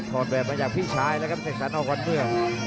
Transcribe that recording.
ทอดแบบมาจากพี่ชายแล้วกับเด็กสันออกกว่าเมื่อ